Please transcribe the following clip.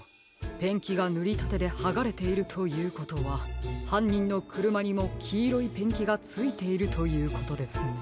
ペンキがぬりたてではがれているということははんにんのくるまにもきいろいペンキがついているということですね。